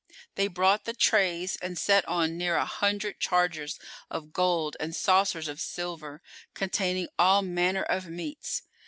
[FN#411] They brought the trays and set on near[FN#412] an hundred chargers of gold and saucers of silver, containing all manner of meats.